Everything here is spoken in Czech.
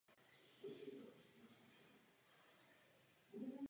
Amerického prezidenta Donalda Trumpa označil Schulz za „nebezpečí pro demokracii“.